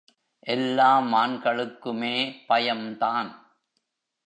எல்லா மான்களுக்குமே பயம்தான்.